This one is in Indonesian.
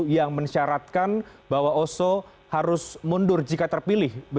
yang mensyaratkan bahwa oso harus mundur jika terpilih